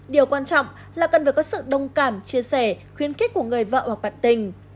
điều quan trọng là cần phải có sự đồng cảm chia sẻ khuyến khích của người vợ hoặc bạn tình